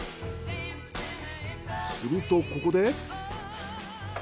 するとここで。